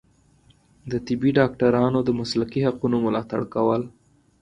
د طبي ډاکټرانو د مسلکي حقونو ملاتړ کول